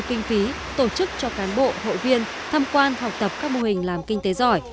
kinh phí tổ chức cho cán bộ hội viên tham quan học tập các mô hình làm kinh tế giỏi